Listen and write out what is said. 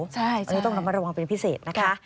อันนี้ต้องระมัดระวังเป็นพิเศษนะคะ